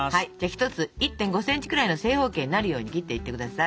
１つ１．５ｃｍくらいの正方形になるように切っていってください。